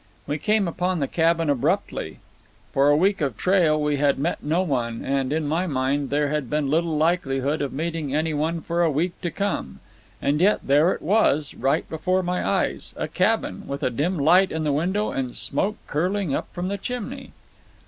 We came upon the cabin abruptly. For a week of trail we had met no one, and, in my mind, there had been little likelihood of meeting any one for a week to come. And yet there it was, right before my eyes, a cabin, with a dim light in the window and smoke curling up from the chimney.